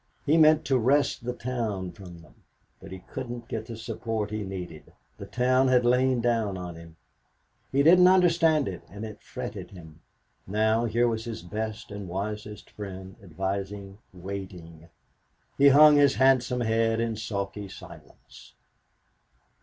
He meant to wrest the town from them, but he couldn't get the support he needed. The town had lain down on him. He didn't understand it and it fretted him. Now here was his best and wisest friend, advising waiting. He hung his handsome head in sulky silence.